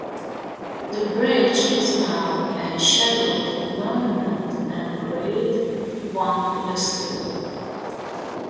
The bridge is now a scheduled monument and Grade One listed.